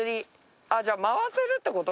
じゃあ回せるってこと？